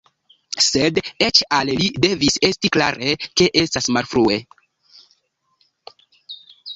Sed eĉ al li devis esti klare, ke estas malfrue.